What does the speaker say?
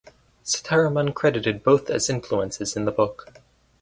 Sitaraman credited both as influences in the book.